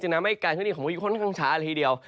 ทำให้การเคลื่อนที่ของพายุค่อนข้างช้าละทีเดียว